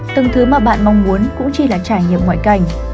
từng thứ mà bạn mong muốn cũng chỉ là trải nghiệm ngoại cảnh